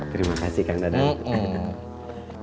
terima kasih kang dadang